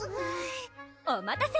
お待たせ！